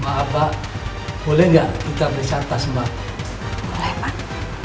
yang bisa menyelamatkan nyawanya bening